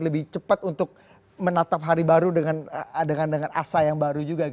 lebih cepat untuk menatap hari baru dengan asa yang baru juga